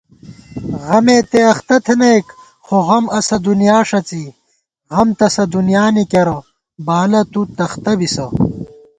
غمےتہ اختہ تھنَئیک خو غم اسہ دُنیا ݭڅی * غم تسہ دُنیانی کېرہ بالہ تُو تختہ بِسہ